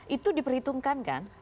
itu diperhitungkan kan